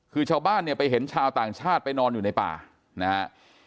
คือชาวบ้านเนี่ยไปเห็นชาวต่างชาติไปนอนอยู่ในป่านะฮะ